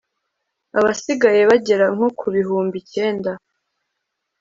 abasigaye bagera nko ku bihumbi cyenda